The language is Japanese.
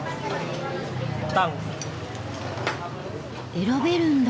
選べるんだ。